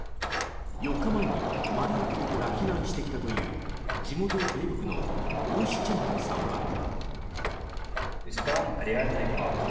４日前にマリウポリから避難してきたという地元テレビ局のオーシチェンコさんは。